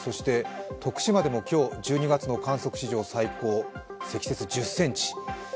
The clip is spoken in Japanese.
徳島でも今日、観測史上最高、積雪１０ｃｍ。